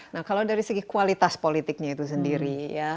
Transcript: nah kalau dari segi kualitas politiknya itu sendiri ya